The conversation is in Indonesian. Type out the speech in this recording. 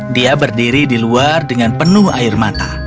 dia berdiri di luar dengan penuh air mata